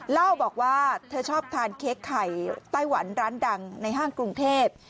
เล่าบอกว่าเธอชอบทานเค้กไข่ไต้หวันร้านดังในห้างกรุงเทพ